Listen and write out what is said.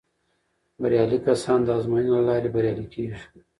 بریالي کسان د ازموینو له لارې بریالي کیږي.